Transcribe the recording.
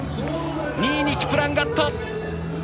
２位にキプランガット。